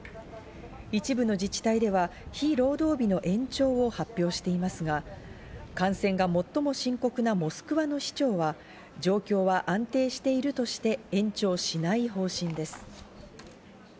一部の自治体では非労働日の延長を発表していますが、感染が最も深刻なモスクワの市長は状況は安定しているとして延長しない方針です。